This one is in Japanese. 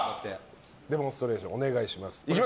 デモンストレーションお願いします。